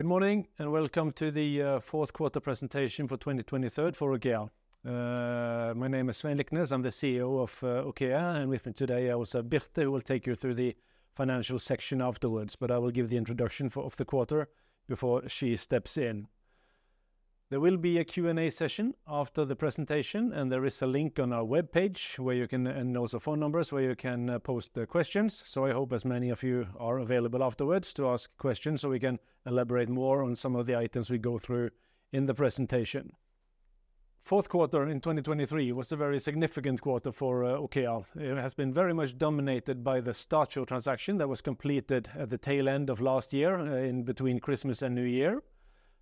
Good morning, and welcome to the Q4 presentation for 2023 for OKEA. My name is Svein Liknes, I'm the CEO of OKEA, and with me today I also have Birte, who will take you through the financial section afterwards. But I will give the introduction of the quarter before she steps in. There will be a Q&A session after the presentation, and there is a link on our webpage where you can and also phone numbers, where you can post the questions. So I hope as many of you are available afterwards to ask questions, so we can elaborate more on some of the items we go through in the presentation. Q4 in 2023 was a very significant quarter for OKEA. It has been very much dominated by the Equinor transaction that was completed at the tail end of last year in between Christmas and New Year.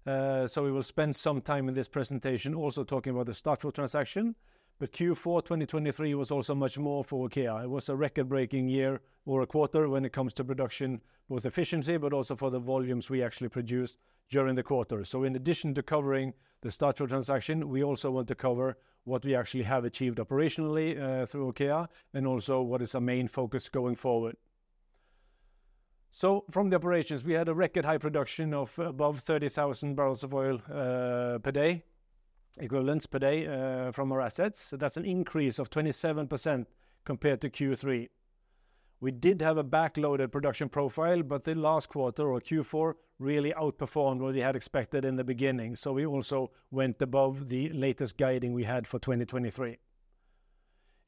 So we will spend some time in this presentation also talking about the Equinor transaction. But Q4 2023 was also much more for OKEA. It was a record-breaking year or a quarter when it comes to production, both efficiency, but also for the volumes we actually produced during the quarter. So in addition to covering the Equinor transaction, we also want to cover what we actually have achieved operationally through OKEA, and also what is our main focus going forward. So from the operations, we had a record high production of above 30,000 bbl of oil equivalent per day from our assets. That's an increase of 27% compared to Q3. We did have a backloaded production profile, but the last quarter or Q4 really outperformed what we had expected in the beginning, so we also went above the latest guidance we had for 2023.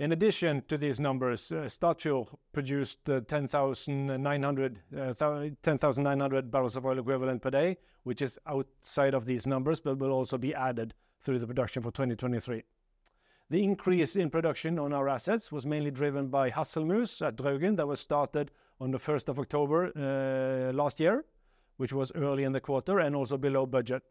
In addition to these numbers, Equinor produced, sorry, 10,900 bbl of oil equivalent per day, which is outside of these numbers, but will also be added through the production for 2023. The increase in production on our assets was mainly driven by Hasselmus at Draugen, that was started on the first of October last year, which was early in the quarter and also below budget.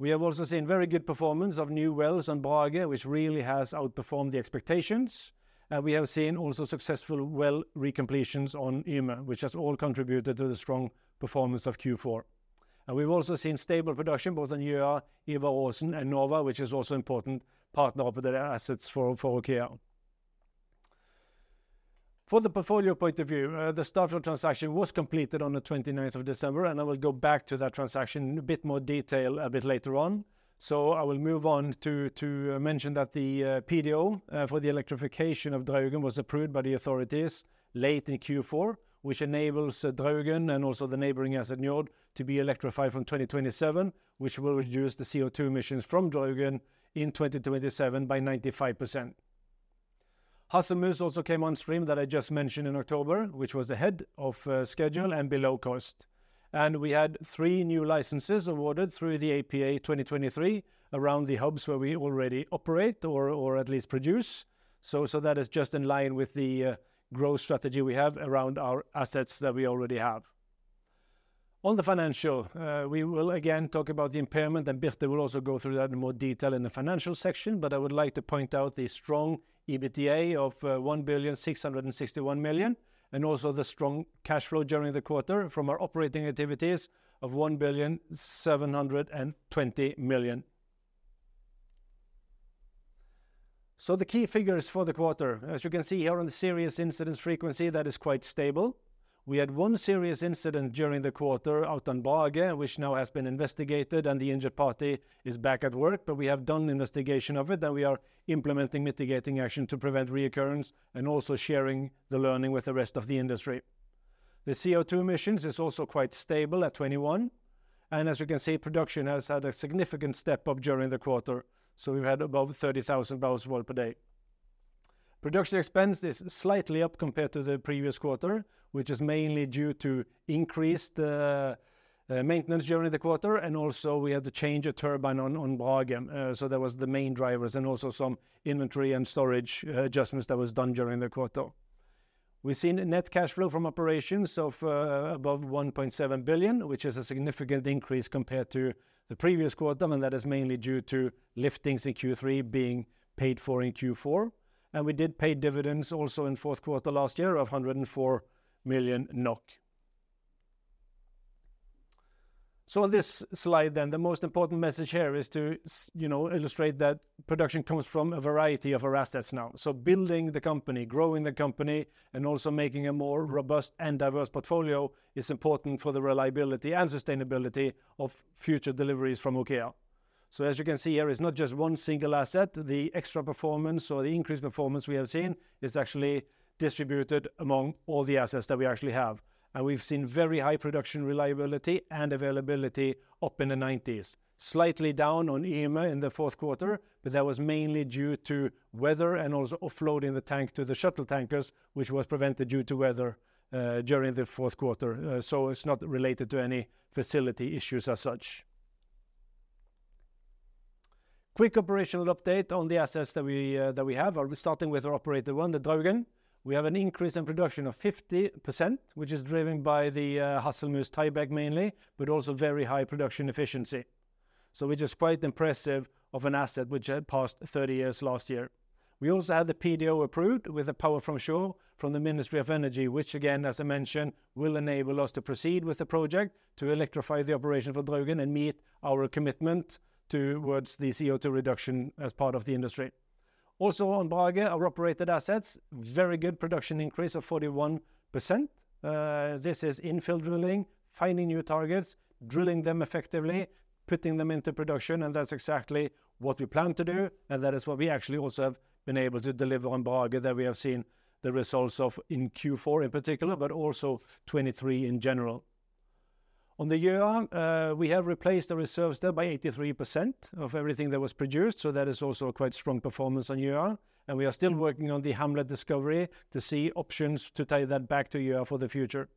We have also seen very good performance of new wells on Brage, which really has outperformed the expectations. And we have seen also successful well recompletions on Yme, which has all contributed to the strong performance of Q4. We've also seen stable production, both on Yme, Ivar Aasen, and Nova, which is also important part of the assets for OKEA. For the portfolio point of view, the Statfjord transaction was completed on the 29th of December, and I will go back to that transaction in a bit more detail a bit later on. I will move on to mention that the PDO for the electrification of Draugen was approved by the authorities late in Q4, which enables Draugen and also the neighboring asset, Njord, to be electrified from 2027, which will reduce the CO2 emissions from Draugen in 2027 by 95%. Hasselmus also came on stream, that I just mentioned, in October, which was ahead of schedule and below cost. We had three new licenses awarded through the APA 2023, around the hubs where we already operate or, or at least produce. So that is just in line with the growth strategy we have around our assets that we already have. On the financial, we will again talk about the impairment, and Birte will also go through that in more detail in the financial section, but I would like to point out the strong EBITDA of 1,661 million, and also the strong cash flow during the quarter from our operating activities of 1,720 million. The key figures for the quarter. As you can see here on the serious incidents frequency, that is quite stable. We had one serious incident during the quarter out on Brage, which now has been investigated, and the injured party is back at work, but we have done investigation of it, and we are implementing mitigating action to prevent reoccurrence, and also sharing the learning with the rest of the industry. The CO2 emissions is also quite stable at 21, and as you can see, production has had a significant step up during the quarter, so we've had above 30,000 bbl of oil per day. Production expense is slightly up compared to the previous quarter, which is mainly due to increased maintenance during the quarter, and also we had to change a turbine on Brage. So that was the main drivers, and also some inventory and storage adjustments that was done during the quarter. We've seen net cash flow from operations of above 1.7 billion, which is a significant increase compared to the previous quarter, and that is mainly due to liftings in Q3 being paid for in Q4. And we did pay dividends also in Q4 last year of 104 million NOK. So on this slide then, the most important message here is to you know, illustrate that production comes from a variety of our assets now. So building the company, growing the company, and also making a more robust and diverse portfolio, is important for the reliability and sustainability of future deliveries from OKEA. So as you can see here, it's not just one single asset. The extra performance or the increased performance we have seen is actually distributed among all the assets that we actually have. We've seen very high production reliability and availability up in the 90s. Slightly down on Yme in the Q4, but that was mainly due to weather and also offloading the tank to the shuttle tankers, which was prevented due to weather during the Q4. So it's not related to any facility issues as such. Quick operational update on the assets that we have. We're starting with our operator one, the Draugen. We have an increase in production of 50%, which is driven by the Hasselmus tieback mainly, but also very high production efficiency. So which is quite impressive of an asset which had passed 30 years last year. We also had the PDO approved with the Power from Shore from the Ministry of Energy, which again, as I mentioned, will enable us to proceed with the project to electrify the operation for Draugen and meet our commitment towards the CO2 reduction as part of the industry... Also on Brage, our operated assets, very good production increase of 41%. This is infill drilling, finding new targets, drilling them effectively, putting them into production, and that's exactly what we plan to do, and that is what we actually also have been able to deliver on Brage, that we have seen the results of in Q4 in particular, but also 2023 in general. On the Gjøa, we have replaced the reserves there by 83% of everything that was produced, so that is also a quite strong performance on Gjøa, and we are still working on the Hamlet discovery to see options to take that back to Gjøa for the future.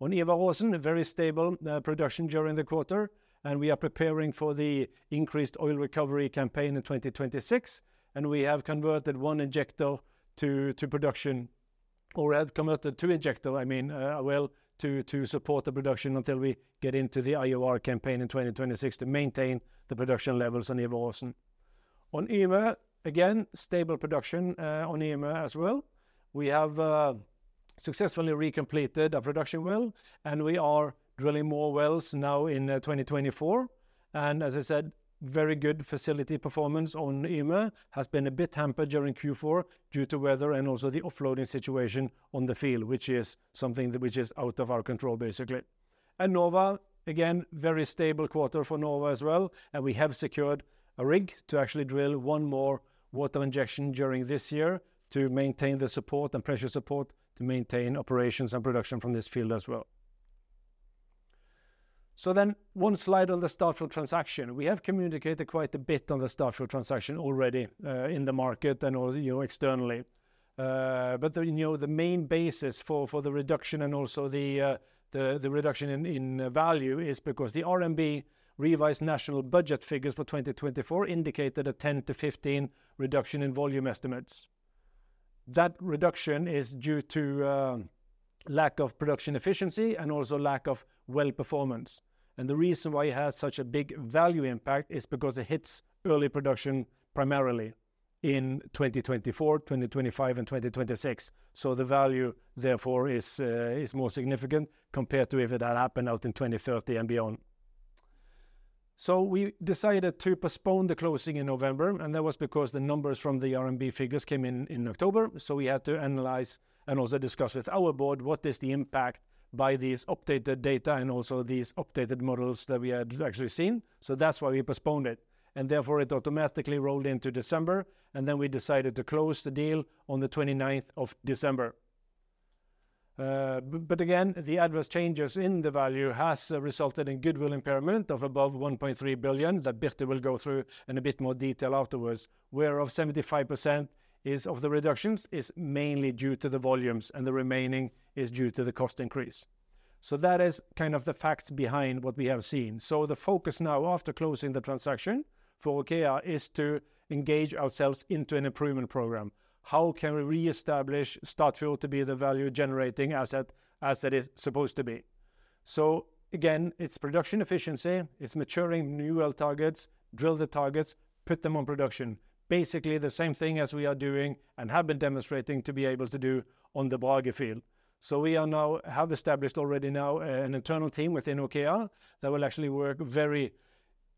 On Ivar Aasen, a very stable production during the quarter, and we are preparing for the increased oil recovery campaign in 2026, and we have converted one injector to production, or have converted two injector, I mean, well, to support the production until we get into the IOR campaign in 2026 to maintain the production levels on Ivar Aasen. On Yme, again, stable production on Yme as well. We have successfully recompleted a production well, and we are drilling more wells now in 2024. As I said, very good facility performance on Yme, has been a bit hampered during Q4 due to weather and also the offloading situation on the field, which is something that is out of our control, basically. And Nova, again, very stable quarter for Nova as well, and we have secured a rig to actually drill one more water injection during this year to maintain the support and pressure support, to maintain operations and production from this field as well. So then, one slide on the Statfjord transaction. We have communicated quite a bit on the Statfjord transaction already, in the market and also, you know, externally. But you know, the main basis for the reduction and also the reduction in value is because the RMB revised management budget figures for 2024 indicated a 10-15 reduction in volume estimates. That reduction is due to lack of production efficiency and also lack of well performance. The reason why it has such a big value impact is because it hits early production, primarily in 2024, 2025, and 2026. So the value, therefore, is more significant compared to if it had happened out in 2030 and beyond. So we decided to postpone the closing in November, and that was because the numbers from the RMB figures came in, in October, so we had to analyze and also discuss with our board what is the impact by these updated data and also these updated models that we had actually seen. So that's why we postponed it, and therefore it automatically rolled into December, and then we decided to close the deal on the 29th of December. But again, the adverse changes in the value has resulted in goodwill impairment of above 1.3 billion, that Birte will go through in a bit more detail afterwards, whereof 75% of the reductions is mainly due to the volumes, and the remaining is due to the cost increase. So that is kind of the facts behind what we have seen. So the focus now after closing the transaction for OKEA is to engage ourselves into an improvement program. How can we reestablish Statfjord to be the value-generating asset, as it is supposed to be? So again, it's production efficiency, it's maturing new well targets, drill the targets, put them on production. Basically, the same thing as we are doing and have been demonstrating to be able to do on the Brage field. So we have established already now an internal team within OKEA that will actually work very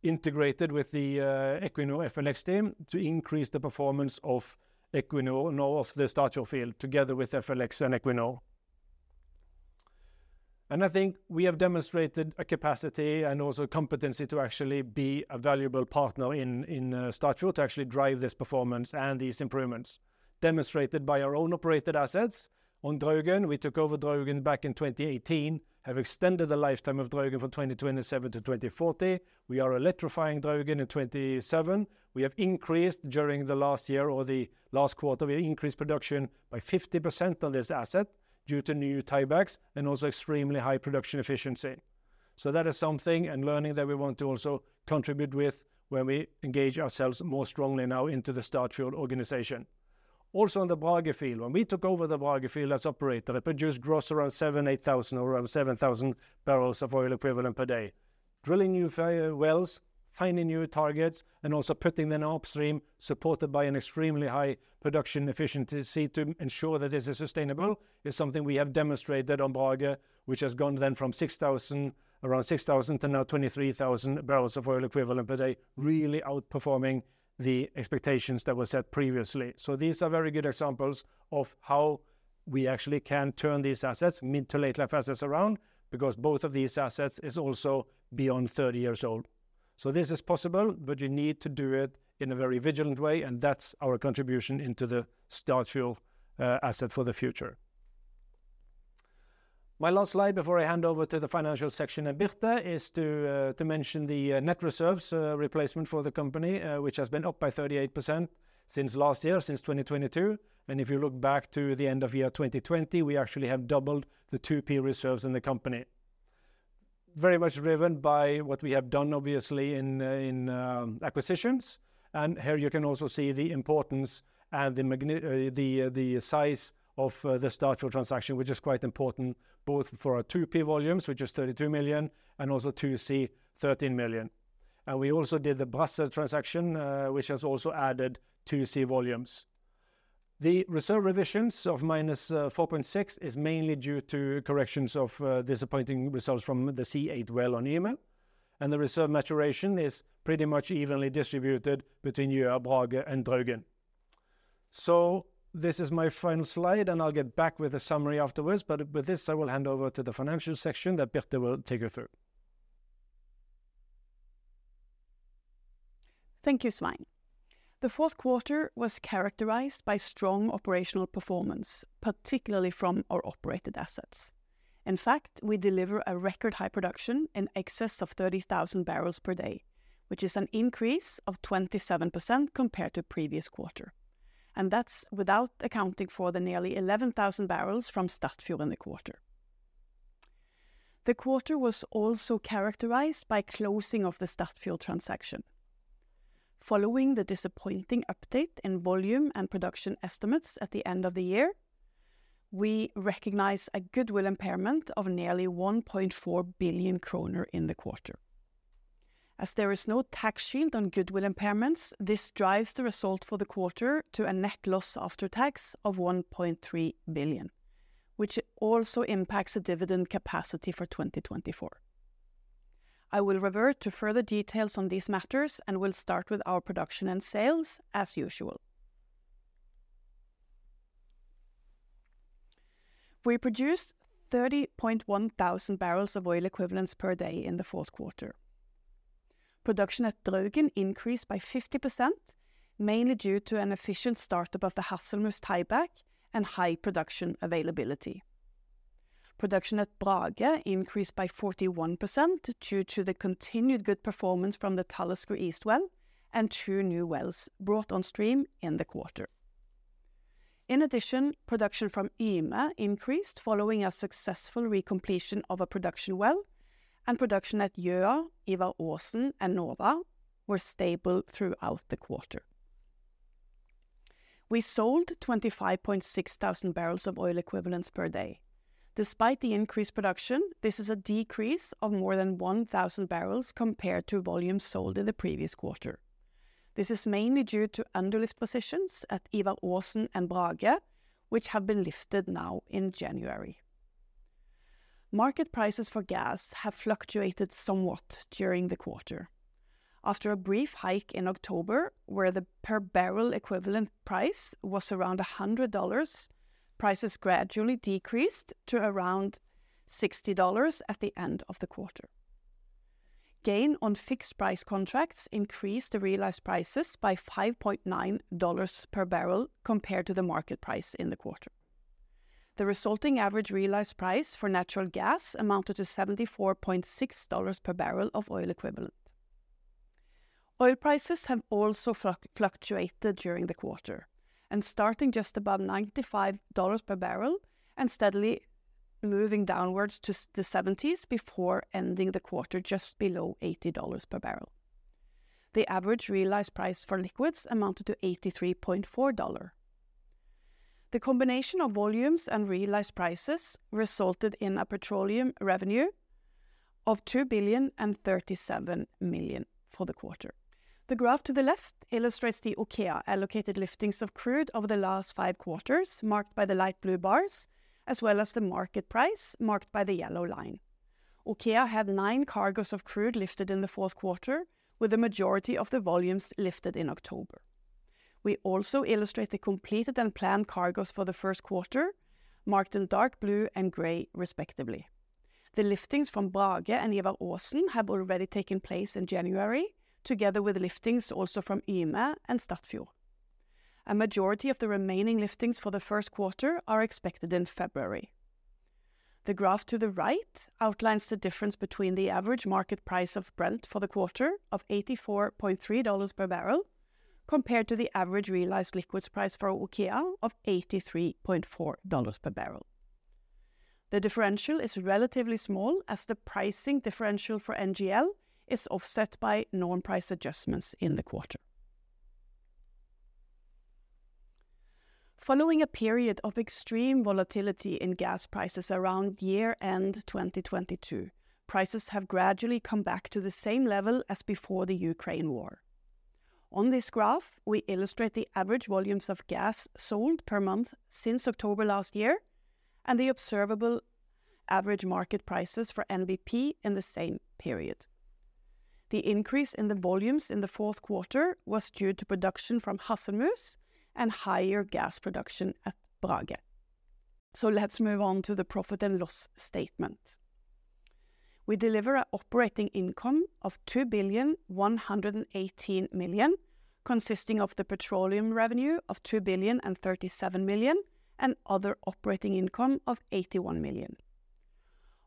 integrated with the Equinor FLX team to increase the performance of Equinor and of the Statfjord field, together with FLX and Equinor. And I think we have demonstrated a capacity and also competency to actually be a valuable partner in Statfjord, to actually drive this performance and these improvements, demonstrated by our own operated assets. On Draugen, we took over Draugen back in 2018, have extended the lifetime of Draugen from 2027 to 2040. We are electrifying Draugen in 2027. We have increased during the last year or the last quarter, we increased production by 50% on this asset due to new tiebacks and also extremely high production efficiency. So that is something and learning that we want to also contribute with when we engage ourselves more strongly now into the Statfjord organization. Also, on the Brage field, when we took over the Brage field as operator, it produced gross around 7,000 bbl-8,000 bbl, or around 7,000 bbl of oil equivalent per day. Drilling new wells, finding new targets, and also putting them upstream, supported by an extremely high production efficiency to ensure that this is sustainable, is something we have demonstrated on Brage, which has gone then from 6,000, around 6,000, to now 23,000 bbl of oil equivalent per day, really outperforming the expectations that were set previously. So these are very good examples of how we actually can turn these assets, mid to late life assets around, because both of these assets is also beyond 30 years old. So this is possible, but you need to do it in a very vigilant way, and that's our contribution into the Statfjord asset for the future. My last slide before I hand over to the financial section and Birte, is to mention the net reserves replacement for the company, which has been up by 38% since last year, since 2022. And if you look back to the end of year 2020, we actually have doubled the 2P reserves in the company. Very much driven by what we have done, obviously, in acquisitions. And here you can also see the importance and the size of the Statfjord transaction, which is quite important both for our 2P volumes, which is 32 million, and also 2C, 13 million. And we also did the Brasse transaction, which has also added 2C volumes. The reserve revisions of minus 4.6 is mainly due to corrections of disappointing results from the C-8 well on Yme, and the reserve maturation is pretty much evenly distributed between Gjøa, Brage, and Draugen. So this is my final slide, and I'll get back with a summary afterwards, but with this, I will hand over to the financial section that Birte will take you through. Thank you, Svein. The fourth quarter was characterized by strong operational performance, particularly from our operated assets. In fact, we deliver a record high production in excess of 30,000 bbl per day, which is an increase of 27% compared to previous quarter. And that's without accounting for the nearly 11,000 bbl from Statfjord in the quarter. The quarter was also characterized by closing of the Statfjord transaction. Following the disappointing update in volume and production estimates at the end of the year, we recognize a goodwill impairment of nearly 1.4 billion kroner in the quarter. As there is no tax shield on goodwill impairments, this drives the result for the quarter to a net loss after tax of 1.3 billion, which also impacts the dividend capacity for 2024. I will revert to further details on these matters and will start with our production and sales as usual. We produced 30.1 thousand barrels of oil equivalents per day in the Q4. Production at Draugen increased by 50%, mainly due to an efficient start-up of the Hasselmus tieback and high production availability. Production at Brage increased by 41% due to the continued good performance from the Talisker East well and two new wells brought on stream in the quarter. In addition, production from Yme increased following a successful recompletion of a production well, and production at Gjøa, Ivar Aasen, and Nova were stable throughout the quarter. We sold 25.6 thousand barrels of oil equivalents per day. Despite the increased production, this is a decrease of more than 1,000 bbl compared to volume sold in the previous quarter. This is mainly due to underlift positions at Ivar Aasen and Brage, which have been lifted now in January. Market prices for gas have fluctuated somewhat during the quarter. After a brief hike in October, where the per barrel equivalent price was around $100, prices gradually decreased to around $60 at the end of the quarter. Gain on fixed price contracts increased the realized prices by $5.9 per barrel compared to the market price in the quarter. The resulting average realized price for natural gas amounted to $74.6 per barrel of oil equivalent. Oil prices have also fluctuated during the quarter, and starting just above $95 per barrel and steadily moving downwards to the $70s before ending the quarter just below $80 per barrel. The average realized price for liquids amounted to $83.4. The combination of volumes and realized prices resulted in a petroleum revenue of 2.037 billion for the quarter. The graph to the left illustrates the OKEA allocated liftings of crude over the last five quarters, marked by the light blue bars, as well as the market price, marked by the yellow line. OKEA had nine cargoes of crude lifted in the fourth quarter, with the majority of the volumes lifted in October. We also illustrate the completed and planned cargoes for the first quarter, marked in dark blue and gray, respectively. The liftings from Brage and Ivar Aasen have already taken place in January, together with liftings also from Yme and Statfjord. A majority of the remaining liftings for the Q1 are expected in February. The graph to the right outlines the difference between the average market price of Brent for the quarter of $84.3 per barrel, compared to the average realized liquids price for OKEA of $83.4 per barrel. The differential is relatively small, as the pricing differential for NGL is offset by non-price adjustments in the quarter. Following a period of extreme volatility in gas prices around year-end 2022, prices have gradually come back to the same level as before the Ukraine war. On this graph, we illustrate the average volumes of gas sold per month since October last year and the observable average market prices for NBP in the same period. The increase in the volumes in the Q4 was due to production from Hasselmus and higher gas production at Brage. Let's move on to the profit and loss statement. We deliver an operating income of 2,118 million, consisting of the petroleum revenue of 2,037 million and other operating income of 81 million.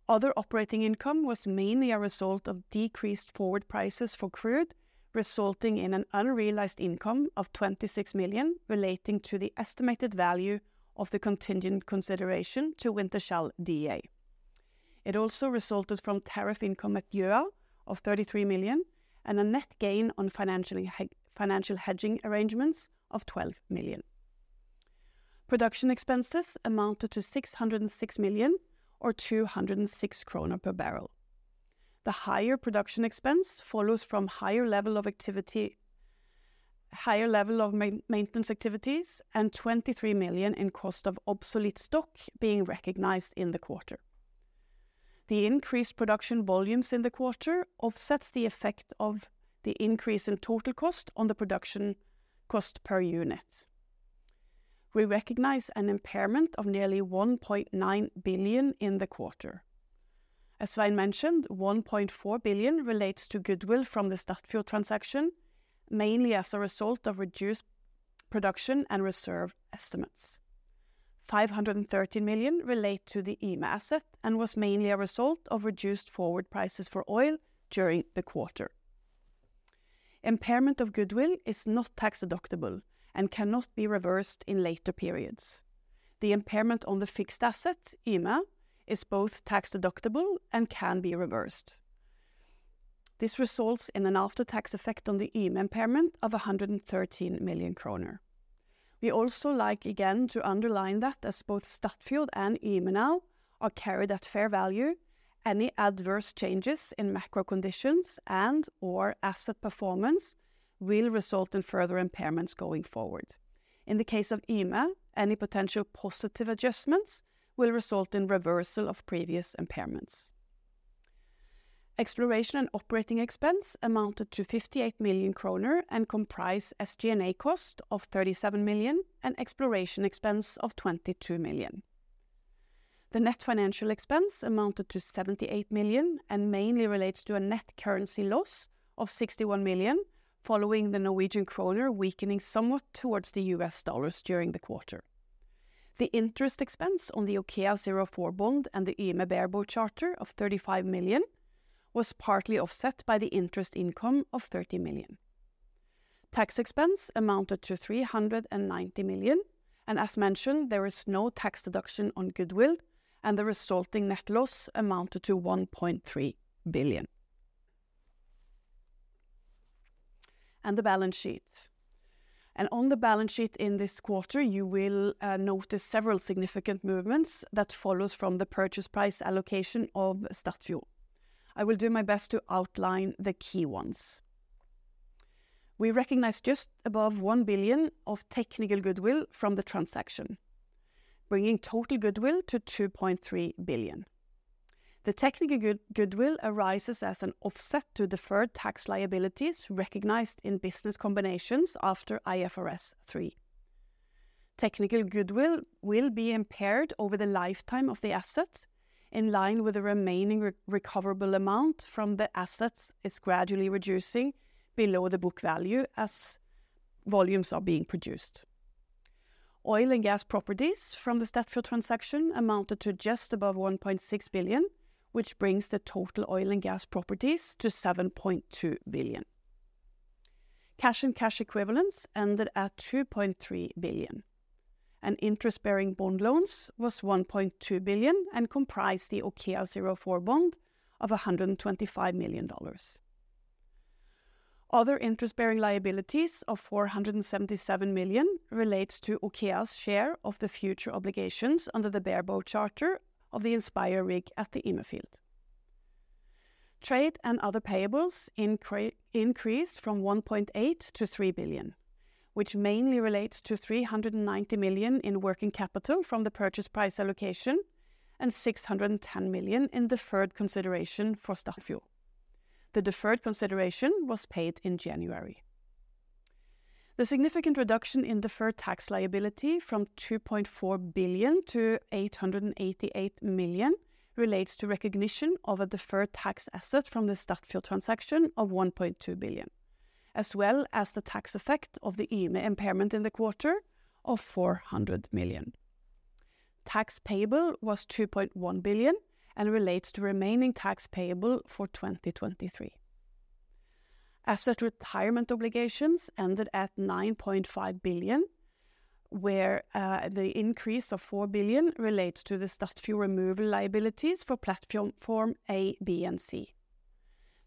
Other operating income was mainly a result of decreased forward prices for crude, resulting in an unrealized income of 26 million relating to the estimated value of the contingent consideration to Wintershall Dea. It also resulted from tariff income at Gjøa of 33 million and a net gain on financial hedging arrangements of 12 million. Production expenses amounted to 606 million or 206 kroner per barrel. The higher production expense follows from higher level of activity, higher level of maintenance activities, and 23 million in cost of obsolete stock being recognized in the quarter. The increased production volumes in the quarter offsets the effect of the increase in total cost on the production cost per unit. We recognize an impairment of nearly 1.9 billion in the quarter. As I mentioned, 1.4 billion relates to goodwill from the Statfjord transaction, mainly as a result of reduced production and reserve estimates. 513 million relate to the Yme asset and was mainly a result of reduced forward prices for oil during the quarter. Impairment of goodwill is not tax-deductible and cannot be reversed in later periods. The impairment on the fixed asset, Yme, is both tax-deductible and can be reversed. This results in an after-tax effect on the Yme impairment of 113 million kroner. We also like, again, to underline that as both Statfjord and Yme now are carried at fair value, any adverse changes in macro conditions and/or asset performance will result in further impairments going forward. In the case of Yme, any potential positive adjustments will result in reversal of previous impairments. Exploration and operating expense amounted to 58 million kroner and comprise SG&A cost of 37 million and exploration expense of 22 million. The net financial expense amounted to 78 million and mainly relates to a net currency loss of 61 million, following the Norwegian kroner weakening somewhat towards the U.S. dollars during the quarter. The interest expense on the OKEA-04 bond and the Yme bareboat charter of 35 million was partly offset by the interest income of 30 million. Tax expense amounted to 390 million, and as mentioned, there is no tax deduction on goodwill, and the resulting net loss amounted to 1.3 billion. The balance sheet. On the balance sheet in this quarter, you will notice several significant movements that follows from the purchase price allocation of Statfjord. I will do my best to outline the key ones. We recognized just above 1 billion of technical goodwill from the transaction, bringing total goodwill to 2.3 billion. The technical goodwill arises as an offset to deferred tax liabilities recognized in business combinations after IFRS 3. Technical goodwill will be impaired over the lifetime of the asset, in line with the remaining recoverable amount from the assets is gradually reducing below the book value as volumes are being produced. Oil and gas properties from the Statfjord transaction amounted to just above 1.6 billion, which brings the total oil and gas properties to 7.2 billion. Cash and cash equivalents ended at 2.3 billion, and interest-bearing bond loans was 1.2 billion and comprised the OKEA-04 bond of $125 million. Other interest-bearing liabilities of 477 million relates to OKEA's share of the future obligations under the bareboat charter of the Inspirer rig at the Yme field. Trade and other payables increased from 1.8 billion to 3 billion, which mainly relates to 390 million in working capital from the purchase price allocation and 610 million in deferred consideration for Statfjord. The deferred consideration was paid in January. The significant reduction in deferred tax liability from 2.4 billion to 888 million relates to recognition of a deferred tax asset from the Statfjord transaction of 1.2 billion, as well as the tax effect of the Yme impairment in the quarter of 400 million. Tax payable was 2.1 billion and relates to remaining tax payable for 2023. Asset retirement obligations ended at 9.5 billion, where, the increase of 4 billion relates to the Statfjord removal liabilities for platform A, B, and C.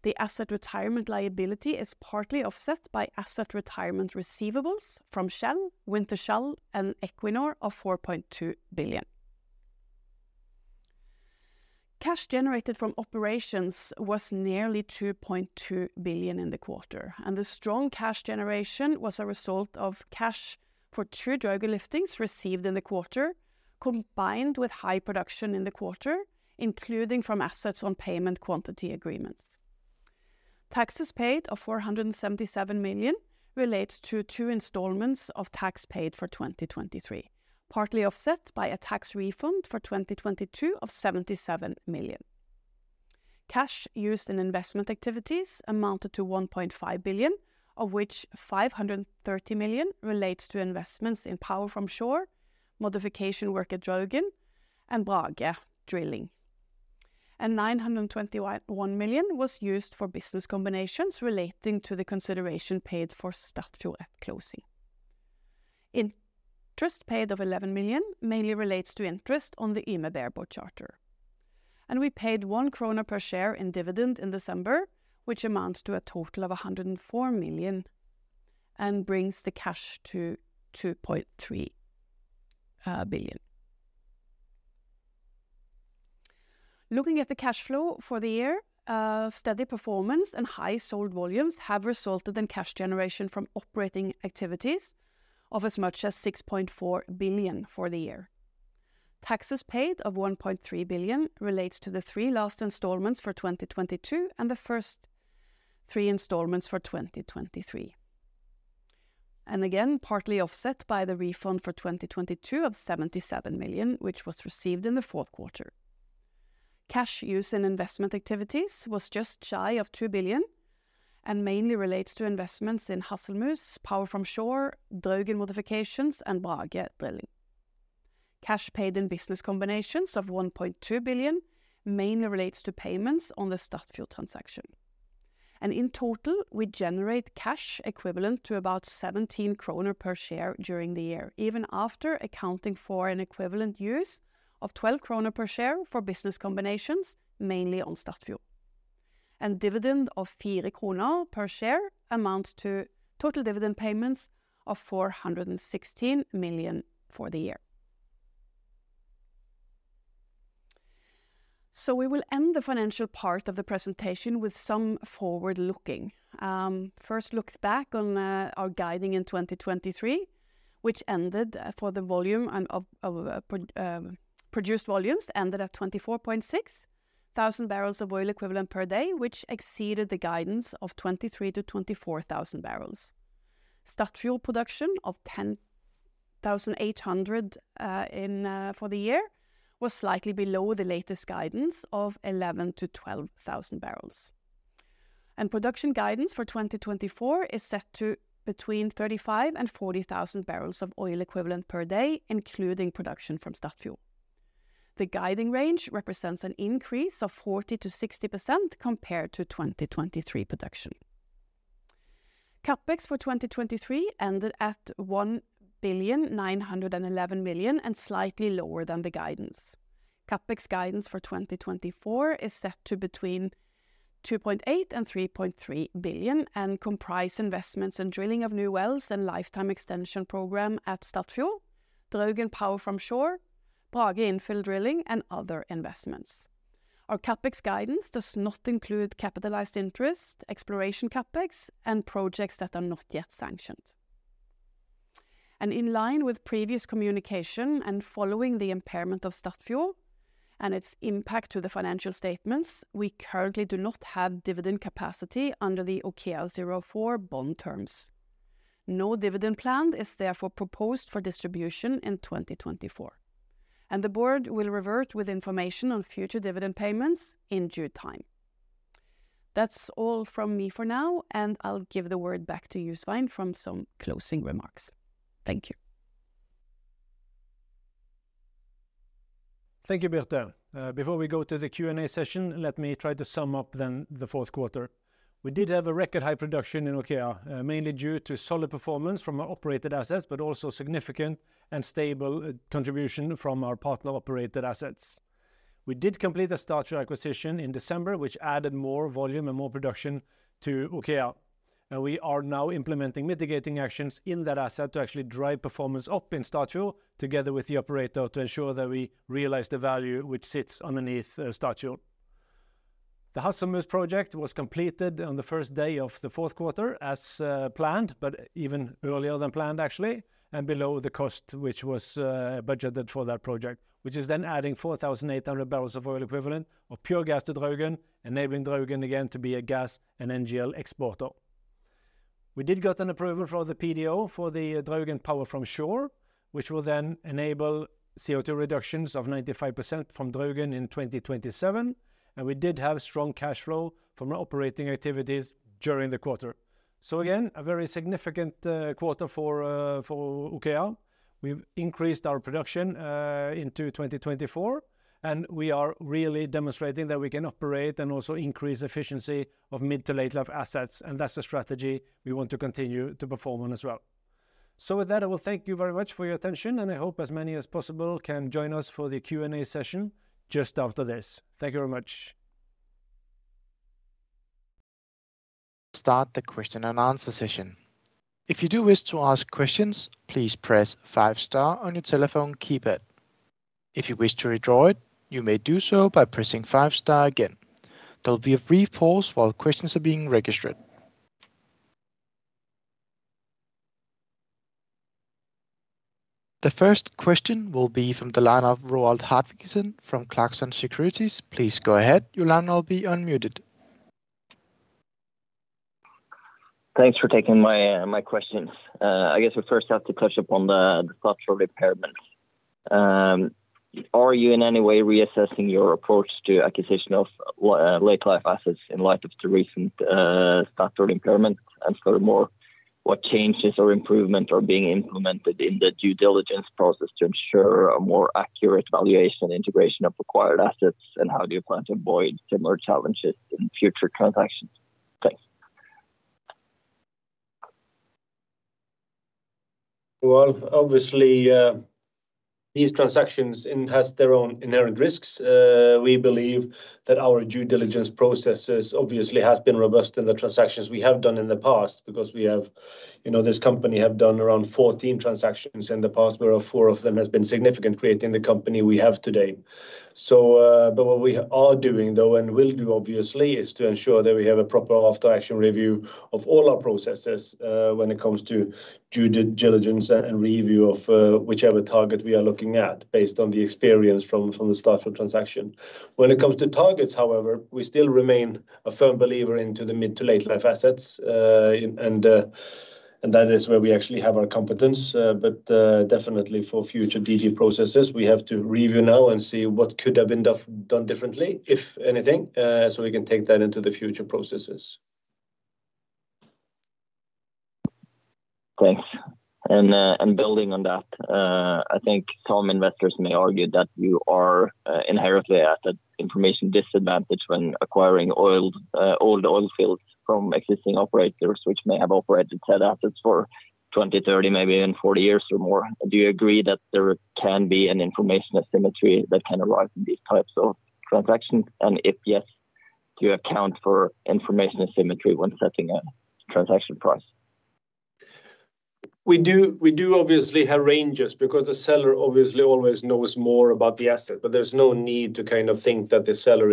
The asset retirement liability is partly offset by asset retirement receivables from Shell, Wintershall, and Equinor of 4.2 billion. Cash generated from operations was nearly 2.2 billion in the quarter, and the strong cash generation was a result of cash for two Draugen liftings received in the quarter, combined with high production in the quarter, including from assets on payment quantity agreements. Taxes paid of 477 million relates to two installments of tax paid for 2023, partly offset by a tax refund for 2022 of 77 million. Cash used in investment activities amounted to 1.5 billion, of which 530 million relates to investments in Power from Shore, modification work at Draugen, and Brage drilling. Nine hundred and twenty-one million was used for business combinations relating to the consideration paid for Statfjord at closing. Interest paid of 11 million mainly relates to interest on the Yme bareboat charter, and we paid 1 krone per share in dividend in December, which amounts to a total of 104 million and brings the cash to 2.3 billion. Looking at the cash flow for the year, steady performance and high sold volumes have resulted in cash generation from operating activities of as much as 6.4 billion for the year. Taxes paid of 1.3 billion relates to the three last installments for 2022, and the first three installments for 2023. And again, partly offset by the refund for 2022 of 77 million, which was received in the Q4. Cash use in investment activities was just shy of 2 billion, and mainly relates to investments in Hasselmus, Power from Shore, Draugen modifications, and Brage drilling. Cash paid in business combinations of 1.2 billion mainly relates to payments on the Statfjord transaction. In total, we generate cash equivalent to about 17 kroner per share during the year, even after accounting for an equivalent use of 12 kroner per share for business combinations, mainly on Statfjord. Dividend of 4 kroner per share amounts to total dividend payments of 416 million for the year. So we will end the financial part of the presentation with some forward-looking. First, look back on our guidance in 2023, which ended for the volume and of produced volumes, ended at 24.6 thousand barrels of oil equivalent per day, which exceeded the guidance of 23,000 bbl-24,000 bbl. Statfjord production of 10,800 for the year, was slightly below the latest guidance of 11,000 bbl-12,000 bbl. Production guidance for 2024 is set to between 35,000 bbl and 40,000 bbl of oil equivalent per day, including production from Statfjord. The guidance range represents an increase of 40%-60% compared to 2023 production. CapEx for 2023 ended at 1.911 billion, and slightly lower than the guidance. CapEx guidance for 2024 is set to between 2.8 billion and 3.3 billion, and comprise investments in drilling of new wells and lifetime extension program at Statfjord, Draugen Power from Shore, Brage infill drilling, and other investments. Our CapEx guidance does not include capitalized interest, exploration CapEx, and projects that are not yet sanctioned. In line with previous communication and following the impairment of Statfjord and its impact to the financial statements, we currently do not have dividend capacity under the OKEA-04 bond terms. No dividend plan is therefore proposed for distribution in 2024, and the board will revert with information on future dividend payments in due time. That's all from me for now, and I'll give the word back to Svein for some closing remarks. Thank you. Thank you, Birte. Before we go to the Q&A session, let me try to sum up then the Q4. We did have a record high production in OKEA, mainly due to solid performance from our operated assets, but also significant and stable contribution from our partner-operated assets. We did complete the Statfjord acquisition in December, which added more volume and more production to OKEA, and we are now implementing mitigating actions in that asset to actually drive performance up in Statfjord, together with the operator, to ensure that we realize the value which sits underneath, Statfjord. The Hasselmus project was completed on the first day of the Q4 as planned, but even earlier than planned, actually, and below the cost, which was budgeted for that project, which is then adding 4,800 bbl of oil equivalent of pure gas to Draugen, enabling Draugen again to be a gas and NGL exporter. We did get an approval for the PDO for the Draugen Power from Shore, which will then enable CO2 reductions of 95% from Draugen in 2027, and we did have strong cash flow from our operating activities during the quarter. So again, a very significant quarter for OKEA. We've increased our production into 2024, and we are really demonstrating that we can operate and also increase efficiency of mid to late life assets, and that's the strategy we want to continue to perform on as well. With that, I will thank you very much for your attention, and I hope as many as possible can join us for the Q&A session just after this. Thank you very much. Start the question and answer session. If you do wish to ask questions, please press five star on your telephone keypad. If you wish to withdraw it, you may do so by pressing five star again. There will be a brief pause while questions are being registered. The first question will be from the line of Roald Hartvigsen from Clarksons Securities. Please go ahead. Your line will be unmuted. Thanks for taking my, my questions. I guess we first have to touch up on the structural impairment. Are you in any way reassessing your approach to acquisition of late-life assets in light of the recent structural impairment? And furthermore, what changes or improvement are being implemented in the due diligence process to ensure a more accurate valuation and integration of acquired assets, and how do you plan to avoid similar challenges in future transactions? Thanks. Well, obviously, these transactions has their own inherent risks. We believe that our due diligence processes obviously has been robust in the transactions we have done in the past, because, you know, this company have done around 14 transactions in the past, where 4 of them has been significant, creating the company we have today. So, but what we are doing, though, and will do, obviously, is to ensure that we have a proper after-action review of all our processes, when it comes to due diligence and review of, whichever target we are looking at, based on the experience from the Statfjord transaction. When it comes to targets, however, we still remain a firm believer into the mid to late life assets, and that is where we actually have our competence. But definitely for future DG processes, we have to review now and see what could have been done, done differently, if anything, so we can take that into the future processes. Thanks. And, and building on that, I think some investors may argue that you are inherently at an information disadvantage when acquiring oil, old oil fields from existing operators, which may have operated said assets for 20, 30, maybe even 40 years or more. Do you agree that there can be an information asymmetry that can arise in these types of transactions? And if yes, do you account for information asymmetry when setting a transaction price? We do, we do obviously have ranges, because the seller obviously always knows more about the asset, but there's no need to kind of think that the seller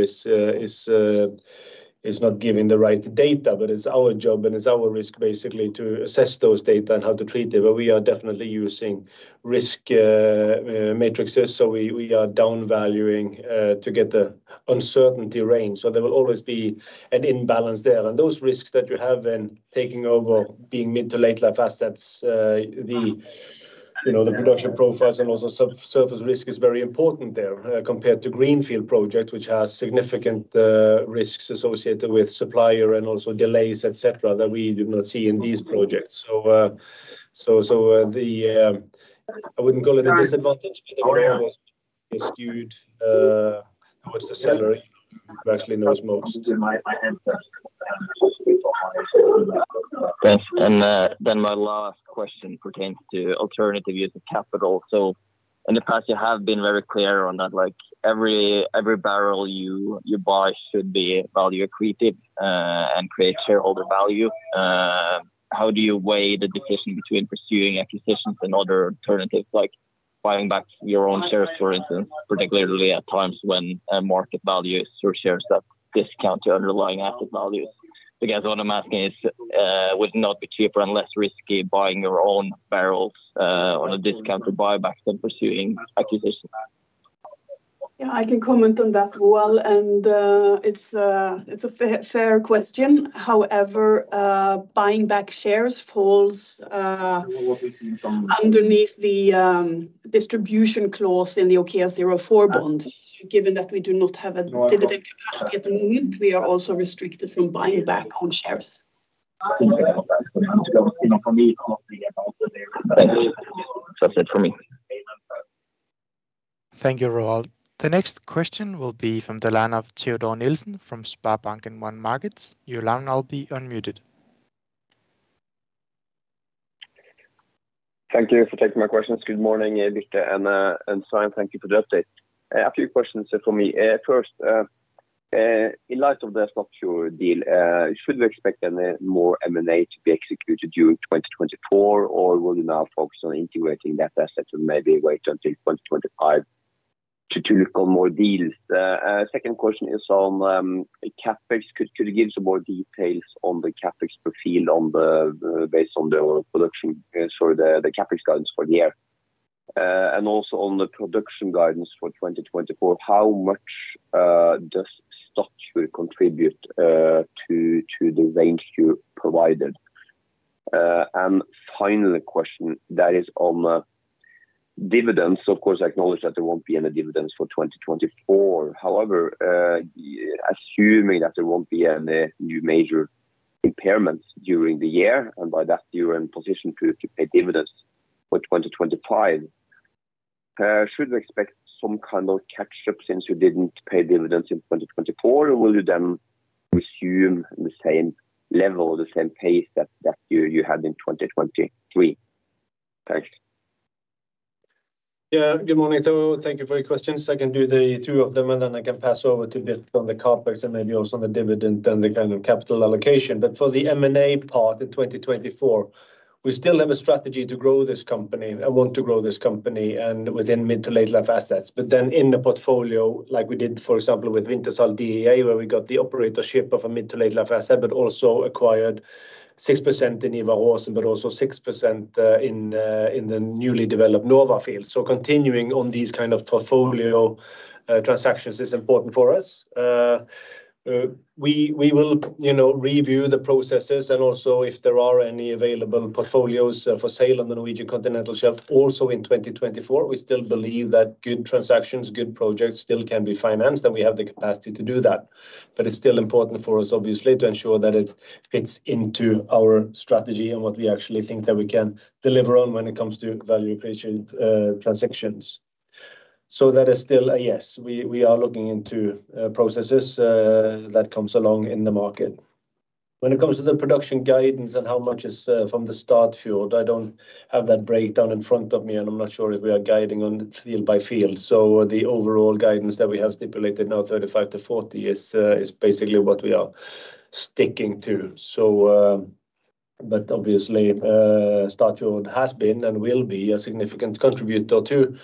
is not giving the right data. But it's our job and it's our risk, basically, to assess those data and how to treat it. But we are definitely using risk matrices, so we are down-valuing to get the uncertainty range. So there will always be an imbalance there. And those risks that you have in taking over, being mid- to late-life assets, you know, the production profiles and also subsurface risk is very important there, compared to greenfield project, which has significant risks associated with supplier and also delays, et cetera, that we do not see in these projects. I wouldn't call it a disadvantage, but the way it was skewed towards the seller, who actually knows most. Thanks. And then my last question pertains to alternative use of capital. So in the past, you have been very clear on that, like, every, every barrel you, you buy should be value accretive, and create shareholder value. How do you weigh the decision between pursuing acquisitions and other alternatives, like buying back your own shares, for instance, particularly at times when market values or shares that discount to underlying asset values? I guess what I'm asking is, would it not be cheaper and less risky buying your own barrels on a discounted buyback than pursuing acquisitions? Yeah, I can comment on that as well, and, it's a fair question. However, buying back shares falls underneath the distribution clause in the OKEA-04 bond. So given that we do not have a dividend capacity at the moment, we are also restricted from buying back own shares. That's it for me. Thank you, Roald. The next question will be from the line of Teodor Nilsen from SpareBank 1 Markets. You are now being unmutedo Thank you for taking my questions. Good morning, Anca and Svein. Thank you for the update. A few questions for me. First, in light of the Statfjord deal, should we expect any more M&A to be executed during 2024, or will you now focus on integrating that asset and maybe wait until 2025 to look on more deals? Second question is on CapEx. Could you give some more details on the CapEx per field based on the overall production for the CapEx guidance for the year? And also on the production guidance for 2024, how much does Statfjord contribute to the range you provided? And final question, that is on dividends. Of course, I acknowledge that there won't be any dividends for 2024. However, assuming that there won't be any new major impairments during the year, and by that you're in position to pay dividends for 2025, should we expect some kind of catch-up since you didn't pay dividends in 2024, or will you then resume the same level or the same pace that you had in 2023? Thanks. Yeah, good morning to all. Thank you for your questions. I can do the two of them, and then I can pass over to Bit on the CapEx and maybe also on the dividend and the kind of capital allocation. But for the M&A part in 2024, we still have a strategy to grow this company, and want to grow this company, and within mid to late life assets. But then in the portfolio, like we did, for example, with Wintershall Dea, where we got the operatorship of a mid to late life asset, but also acquired 6% in Ivar Aasen, but also 6% in the newly developed Nova field. So continuing on these kind of portfolio transactions is important for us. We will, you know, review the processes and also if there are any available portfolios for sale on the Norwegian Continental Shelf, also in 2024. We still believe that good transactions, good projects, still can be financed, and we have the capacity to do that. But it's still important for us, obviously, to ensure that it fits into our strategy and what we actually think that we can deliver on when it comes to value creation, transactions. So that is still a yes. We are looking into processes that comes along in the market. When it comes to the production guidance and how much is from the Statfjord field, I don't have that breakdown in front of me, and I'm not sure if we are guiding on field by field. So the overall guidance that we have stipulated now, 35-40, is basically what we are sticking to. So, but obviously, Statfjord has been and will be a significant contributor to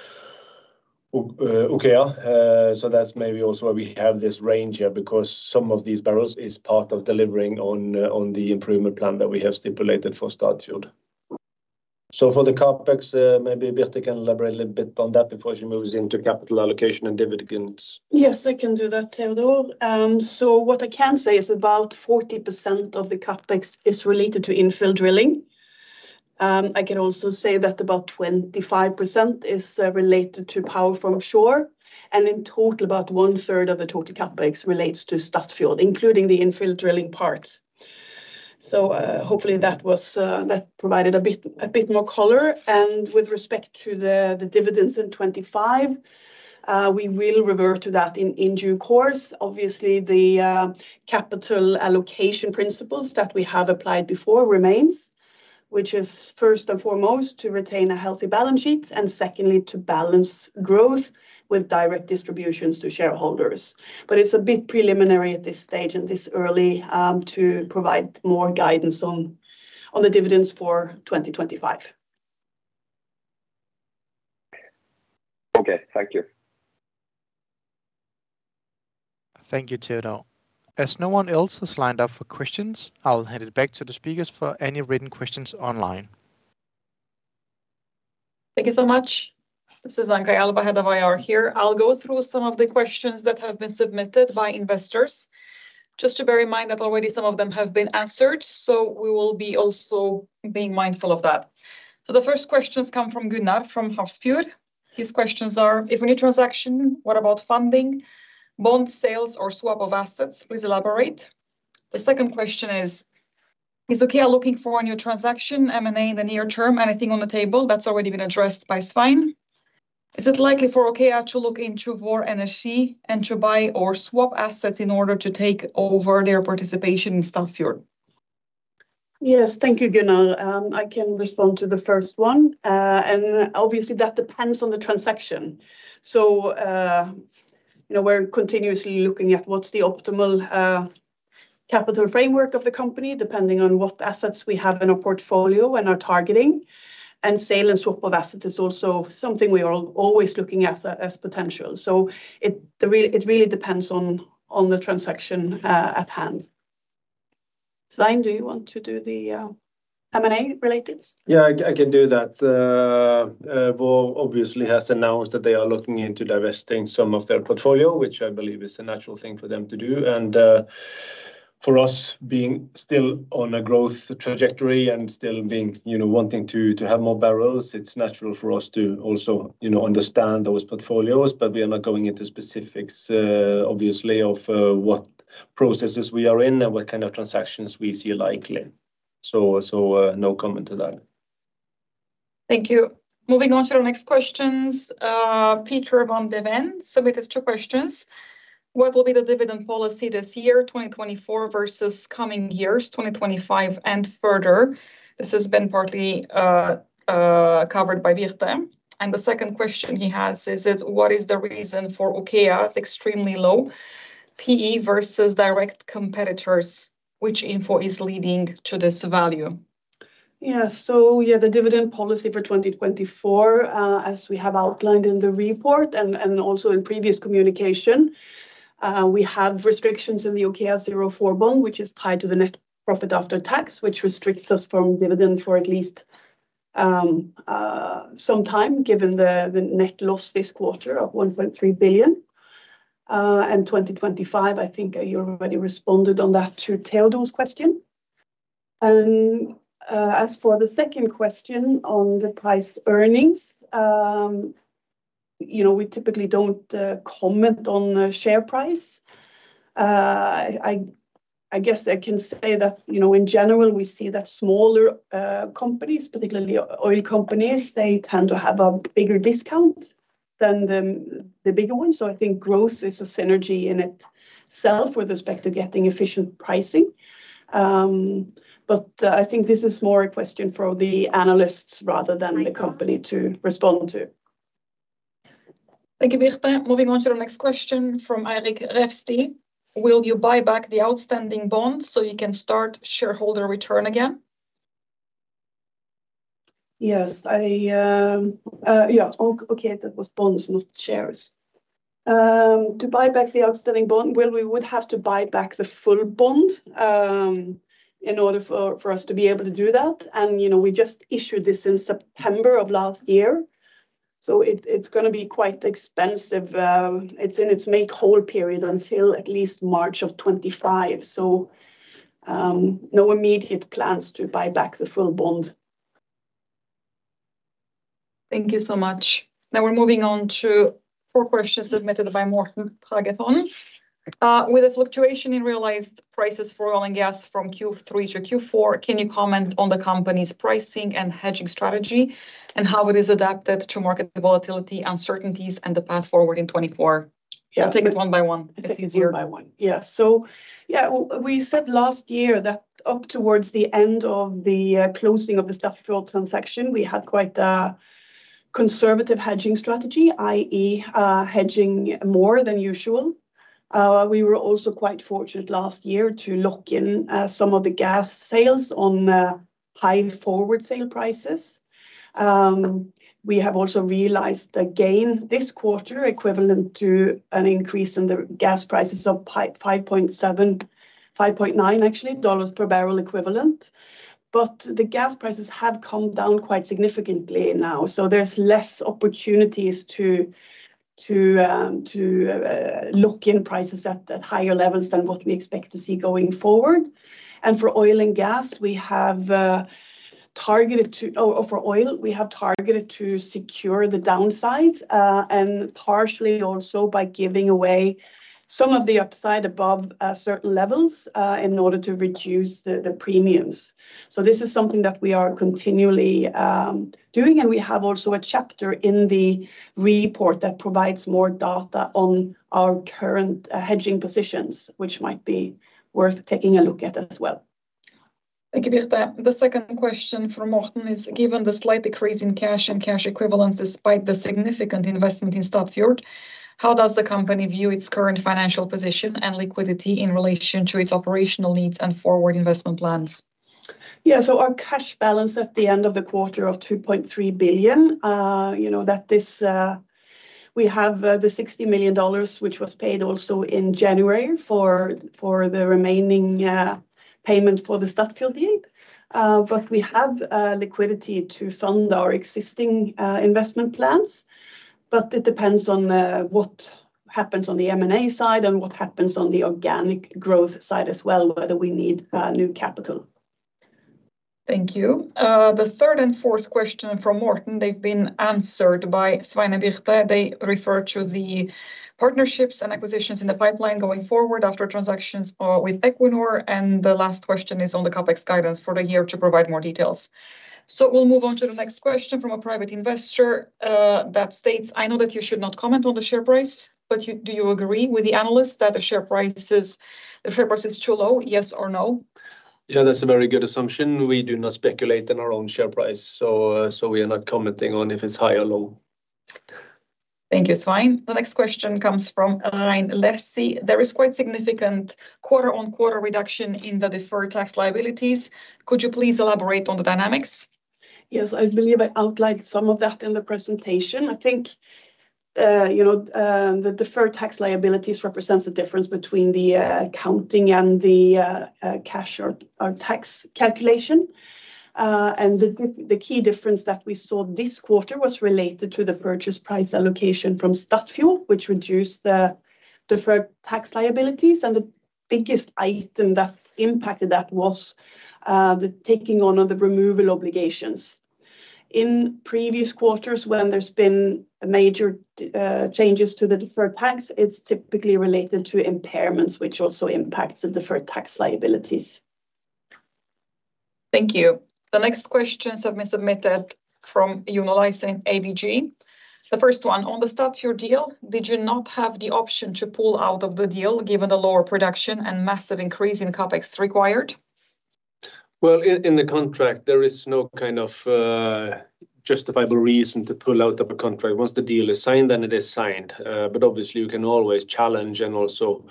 OKEA, so that's maybe also why we have this range here, because some of these barrels is part of delivering on the improvement plan that we have stipulated for Statfjord. So for the CapEx, maybe Birte can elaborate a little bit on that before she moves into capital allocation and dividends. Yes, I can do that, Theodore. So what I can say is about 40% of the CapEx is related to infill drilling. I can also say that about 25% is related to Power from Shore, and in total, about one-third of the total CapEx relates to Statfjord, including the infill drilling parts. So, hopefully that provided a bit more color. And with respect to the dividends in 2025, we will revert to that in due course. Obviously, the capital allocation principles that we have applied before remains, which is first and foremost, to retain a healthy balance sheet, and secondly, to balance growth with direct distributions to shareholders. But it's a bit preliminary at this stage and this early to provide more guidance on the dividends for 2025. Okay, thank you. Thank you, Theodore. As no one else has lined up for questions, I'll hand it back to the speakers for any written questions online. Thank you so much. This is Anca Head of IR here. I'll go through some of the questions that have been submitted by investors. Just to bear in mind that already some of them have been answered, so we will be also being mindful of that. So the first questions come from Gunnar from Hafrsfjord. His questions are, "If any transaction, what about funding, bond sales or swap of assets? Please elaborate." The second question is, "Is OKEA looking for a new transaction, M&A in the near term, anything on the table?" That's already been addressed by Svein. "Is it likely for OKEA to look into Vår Energi and to buy or swap assets in order to take over their participation in Statfjord?" Yes, thank you, Gunnar. I can respond to the first one. And obviously, that depends on the transaction. So, you know, we're continuously looking at what's the optimal capital framework of the company, depending on what assets we have in our portfolio and are targeting. And sale and swap of assets is also something we are always looking at as potential. So it, it really depends on, on the transaction at hand. Svein, do you want to do the M&A related? Yeah, I can do that. Vår obviously has announced that they are looking into divesting some of their portfolio, which I believe is a natural thing for them to do. And for us, being still on a growth trajectory and still being, you know, wanting to have more barrels, it's natural for us to also, you know, understand those portfolios. But we are not going into specifics, obviously, of what processes we are in and what kind of transactions we see likely. So, no comment to that. Thank you. Moving on to our next questions. Peter von der Wense submitted two questions. "What will be the dividend policy this year, 2024, versus coming years, 2025 and further?" This has been partly covered by Birte. And the second question he has is: "What is the reason for OKEA's extremely low PE versus direct competitors? Which info is leading to this value?" Yeah. So yeah, the dividend policy for 2024, as we have outlined in the report and, and also in previous communication, we have restrictions in the OKEA-04 bond, which is tied to the net profit after tax, which restricts us from dividend for at least, some time, given the, the net loss this quarter of 1.3 billion. And 2025, I think you already responded on that to Teodor's question. And, as for the second question on the price earnings, you know, we typically don't, comment on the share price. I, I guess I can say that, you know, in general, we see that smaller, companies, particularly oil companies, they tend to have a bigger discount than the, the bigger ones. So I think growth is a synergy in itself with respect to getting efficient pricing. But I think this is more a question for the analysts rather than the company to respond to. Thank you, Birte. Moving on to the next question from Eirik Refstie, "Will you buy back the outstanding bonds so you can start shareholder return again?" Yes, yeah, OKEA, that was bonds, not shares. To buy back the outstanding bond, well, we would have to buy back the full bond, in order for us to be able to do that. And, you know, we just issued this in September of last year, so it's gonna be quite expensive. It's in its make whole period until at least March of 2025. So, no immediate plans to buy back the full bond. Thank you so much. Now we're moving on to questions submitted by Morten Agathon. With the fluctuation in realized prices for oil and gas from Q3 to Q4, can you comment on the company's pricing and hedging strategy, and how it is adapted to market volatility, uncertainties, and the path forward in 2024? Yeah. I'll take it one by one. It's easier. One by one. Yeah. So yeah, we said last year that up towards the end of the closing of the Statfjord transaction, we had quite a conservative hedging strategy, i.e., hedging more than usual. We were also quite fortunate last year to lock in some of the gas sales on high forward sale prices. We have also realized a gain this quarter, equivalent to an increase in the gas prices of about $5.7-$5.9, actually, dollars per barrel equivalent. But the gas prices have come down quite significantly now, so there's less opportunities to lock in prices at higher levels than what we expect to see going forward. For oil and gas, we have targeted to secure the downsides, and partially also by giving away some of the upside above certain levels, in order to reduce the premiums. So this is something that we are continually doing, and we have also a chapter in the report that provides more data on our current hedging positions, which might be worth taking a look at as well. Thank you, Birte. The second question from Morten is, "Given the slight decrease in cash and cash equivalents, despite the significant investment in Statfjord, how does the company view its current financial position and liquidity in relation to its operational needs and forward investment plans?" Yeah, so our cash balance at the end of the quarter of 2.3 billion, you know. We have the $60 million, which was paid also in January for the remaining payment for the Statfjord deal. But we have liquidity to fund our existing investment plans, but it depends on what happens on the M&A side and what happens on the organic growth side as well, whether we need new capital. Thank you. The third and fourth question from Morten, they've been answered by Svein and Birte. They refer to the partnerships and acquisitions in the pipeline going forward after transactions with Equinor, and the last question is on the CapEx guidance for the year to provide more details. So we'll move on to the next question from a private investor that states, "I know that you should not comment on the share price, but you- do you agree with the analyst that the share price is, the share price is too low, yes or no?" Yeah, that's a very good assumption. We do not speculate on our own share price, so, so we are not commenting on if it's high or low. Thank you, Svein. The next question comes from Elaine Lessie. There is quite significant quarter-on-quarter reduction in the deferred tax liabilities. Could you please elaborate on the dynamics? Yes, I believe I outlined some of that in the presentation. I think, you know, the deferred tax liabilities represents the difference between the accounting and the cash or tax calculation. And the key difference that we saw this quarter was related to the purchase price allocation from Statfjord, which reduced the deferred tax liabilities, and the biggest item that impacted that was the taking on of the removal obligations. In previous quarters, when there's been major changes to the deferred tax, it's typically related to impairments, which also impacts the deferred tax liabilities. Thank you. The next questions have been submitted from John Olaisen, ABG. The first one, on the Statfjord deal, did you not have the option to pull out of the deal, given the lower production and massive increase in CapEx required? Well, in the contract, there is no kind of justifiable reason to pull out of a contract. Once the deal is signed, then it is signed. But obviously, you can always challenge and also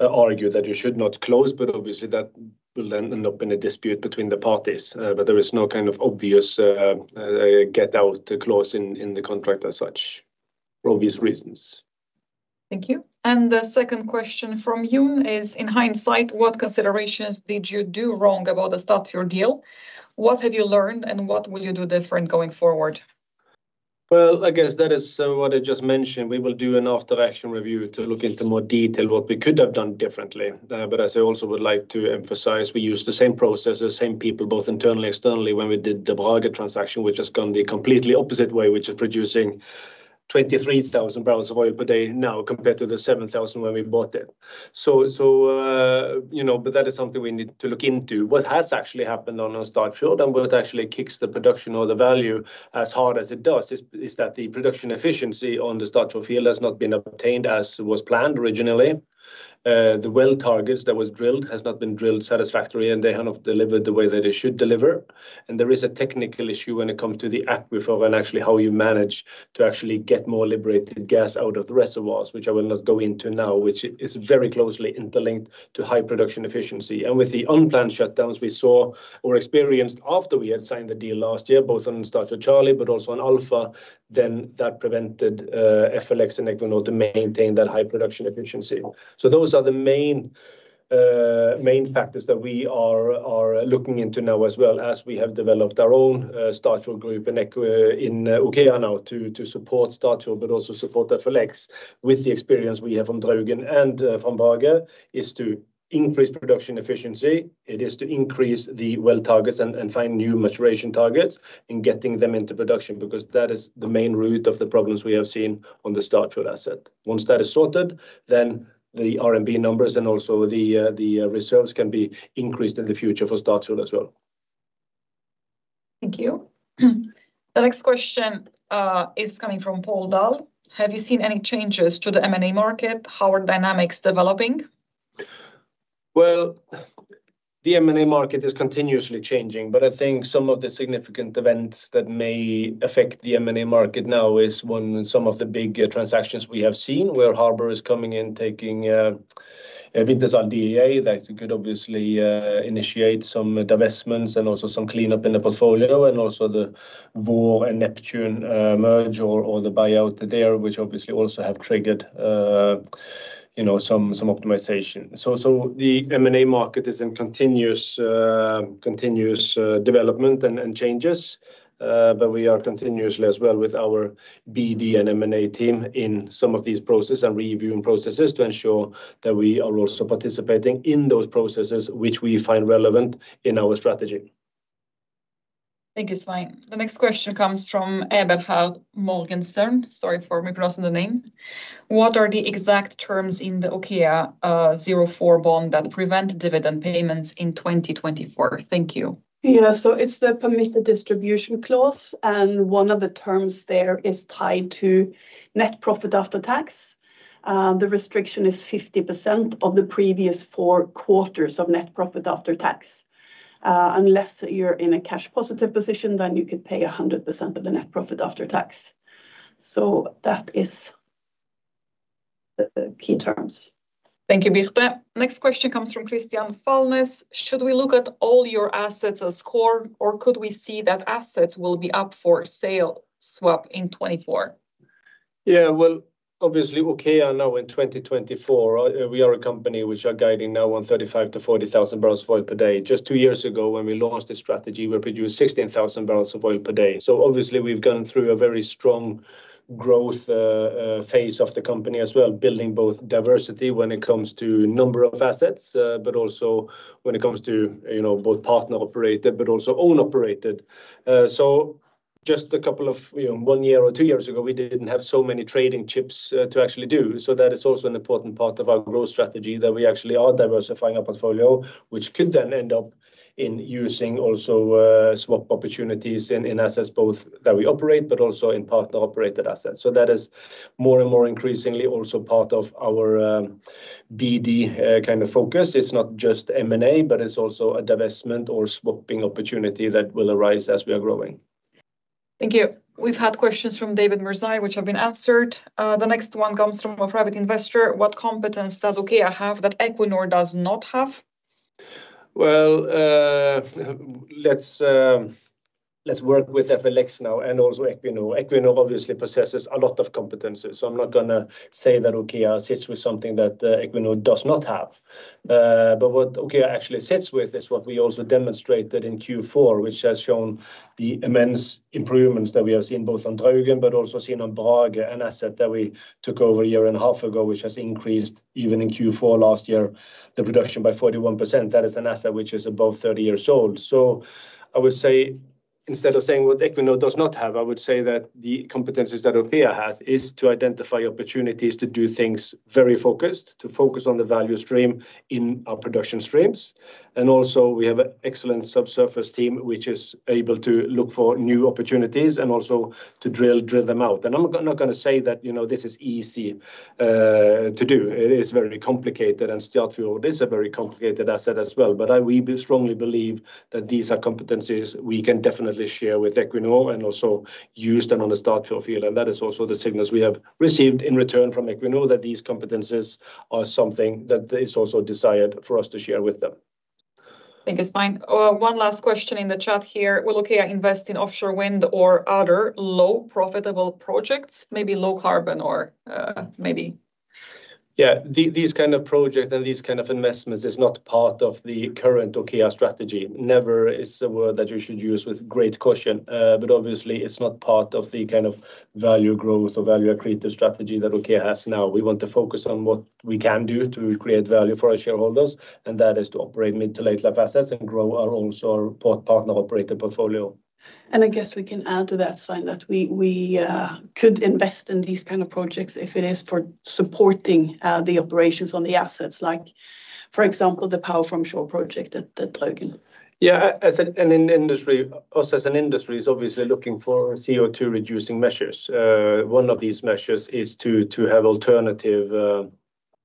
argue that you should not close, but obviously, that will then end up in a dispute between the parties. But there is no kind of obvious get out clause in the contract as such, for obvious reasons. Thank you. And the second question from John is, "In hindsight, what considerations did you do wrong about the Statfjord deal? What have you learned, and what will you do different going forward?" Well, I guess that is what I just mentioned. We will do an after-action review to look into more detail what we could have done differently. But as I also would like to emphasize, we use the same process, the same people, both internally, externally, when we did the Brage transaction, which has gone the completely opposite way, which is producing 23,000 bbl of oil per day now, compared to the 7,000 when we bought it. So, so, you know, but that is something we need to look into. What has actually happened on a Statfjord, and what actually kicks the production or the value as hard as it does, is that the production efficiency on the Statfjord field has not been obtained as was planned originally. The well targets that was drilled has not been drilled satisfactory, and they have not delivered the way that it should deliver. And there is a technical issue when it comes to the aquifer and actually how you manage to actually get more liberated gas out of the reservoirs, which I will not go into now, which is very closely interlinked to high production efficiency. And with the unplanned shutdowns we saw or experienced after we had signed the deal last year, both on Statfjord Charlie, but also on Alpha, then that prevented, FLX and Equinor to maintain that high production efficiency. So those are the main, main factors that we are, are looking into now, as well as we have developed our own, Statfjord group in OKEA now to, to support Statfjord, but also support FLX. With the experience we have from Draugen and from Brage, is to increase production efficiency, it is to increase the well targets and find new maturation targets and getting them into production, because that is the main root of the problems we have seen on the Statfjord asset. Once that is sorted, then the RMB numbers and also the reserves can be increased in the future for Statfjord as well. Thank you. The next question is coming from Paul Dahl. Have you seen any changes to the M&A market? How are dynamics developing? The M&A market is continuously changing, but I think some of the significant events that may affect the M&A market now is when some of the big transactions we have seen, where Harbour is coming in, taking Wintershall Dea, that could obviously initiate some divestments and also some cleanup in the portfolio, and also the Vår and Neptune merge or the buyout there, which obviously also have triggered, you know, some optimization. So the M&A market is in continuous development and changes. But we are continuously as well with our BD and M&A team in some of these process and reviewing processes to ensure that we are also participating in those processes which we find relevant in our strategy. Thank you, Svein. The next question comes from Eberhard Morgenstern. Sorry for mispronouncing the name. What are the exact terms in the OKEA-04 bond that prevent dividend payments in 2024? Thank you. Yeah, so it's the permitted distribution clause, and one of the terms there is tied to net profit after tax. The restriction is 50% of the previous four quarters of net profit after tax. Unless you're in a cash positive position, then you could pay 100% of the net profit after tax. So that is the key terms. Thank you, Birte. Next question comes from Kristian Falness, "Should we look at all your assets as core, or could we see that assets will be up for sale swap in 2024?" Yeah, well, obviously, OKEA now in 2024, we are a company which are guiding now on 35,000 bbl-40,000 bbl of oil per day. Just two years ago, when we launched this strategy, we produced 16,000 bbl of oil per day. So obviously, we've gone through a very strong growth phase of the company as well, building both diversity when it comes to number of assets, but also when it comes to, you know, both partner-operated, but also own operated. So just a couple of, you know, one year or two years ago, we didn't have so many trading chips to actually do. So that is also an important part of our growth strategy, that we actually are diversifying our portfolio, which could then end up in using also swap opportunities in assets both that we operate, but also in partner-operated assets. So that is more and more increasingly also part of our BD kind of focus. It's not just M&A, but it's also a divestment or swapping opportunity that will arise as we are growing. Thank you. We've had questions from David Mirzai, which have been answered. The next one comes from a private investor, "What competence does OKEA have that Equinor does not have?" Well, let's work with FLX now and also Equinor. Equinor obviously possesses a lot of competencies, so I'm not gonna say that OKEA sits with something that, Equinor does not have. But what OKEA actually sits with is what we also demonstrated in Q4, which has shown the immense improvements that we have seen, both on Draugen, but also seen on Brage, an asset that we took over a year and a half ago, which has increased, even in Q4 last year, the production by 41%. That is an asset which is above 30 years old. So I would say, instead of saying what Equinor does not have, I would say that the competencies that OKEA has is to identify opportunities to do things very focused, to focus on the value stream in our production streams. Also we have an excellent subsurface team, which is able to look for new opportunities and also to drill them out. I'm not gonna say that, you know, this is easy to do. It is very complicated, and Statfjord is a very complicated asset as well. But we strongly believe that these are competencies we can definitely share with Equinor and also use them on the Statfjord field, and that is also the signals we have received in return from Equinor, that these competencies are something that is also desired for us to share with them. Thank you, Svein. One last question in the chat here. Will OKEA invest in offshore wind or other low profitable projects, maybe low carbon or, maybe? Yeah, these kind of projects and these kind of investments is not part of the current OKEA strategy. Never is a word that you should use with great caution. But obviously, it's not part of the kind of value growth or value accretive strategy that OKEA has now. We want to focus on what we can do to create value for our shareholders, and that is to operate mid- to late-life assets and grow our own, so partner-operated portfolio. I guess we can add to that, Svein, that we could invest in these kind of projects if it is for supporting the operations on the assets, like, for example, the Power from Shore project at Draugen. Yeah, as an industry, us as an industry is obviously looking for CO2-reducing measures. One of these measures is to have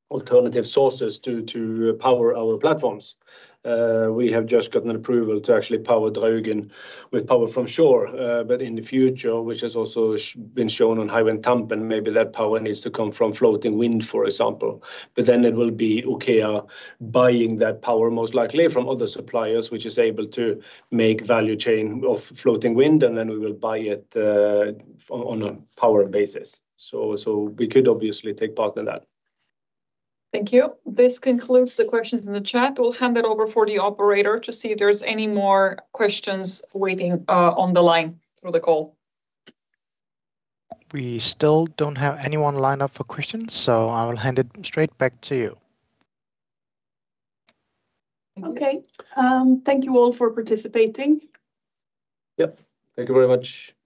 alternative sources to power our platforms. We have just gotten an approval to actually power Draugen with power from shore, but in the future, which has also been shown on Hywind Tampen, maybe that power needs to come from floating wind, for example. But then it will be OKEA buying that power, most likely from other suppliers, which is able to make value chain of floating wind, and then we will buy it on a power basis. So we could obviously take part in that. Thank you. This concludes the questions in the chat. We'll hand it over for the operator to see if there's any more questions waiting on the line through the call. We still don't have anyone lined up for questions, so I will hand it straight back to you. Okay. Thank you all for participating. Yep. Thank you very much.